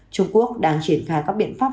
trung quốc đang triển khai các biện pháp